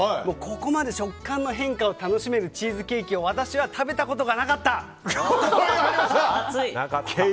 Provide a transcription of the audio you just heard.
ここまで食感の変化を楽しめるチーズケーキを私は食べたことがなかった！